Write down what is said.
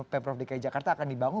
pemprov dki jakarta akan dibangun